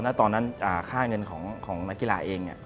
ตอนนั้นค่าเงินของนักกีฬาเอง